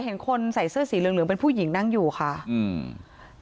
เห็นคนใส่เสื้อสีเหลืองเป็นผู้หญิงนั่งอยู่ค่ะอืมตำรวจ